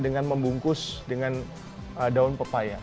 dengan membungkus dengan daun pepaya